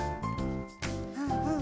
うんうん